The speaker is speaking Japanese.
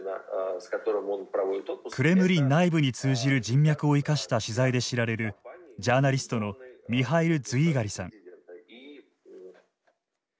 クレムリン内部に通じる人脈を生かした取材で知られるジャーナリストのミハイル・ズィーガリさん。